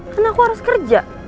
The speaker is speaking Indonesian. kan aku harus kerja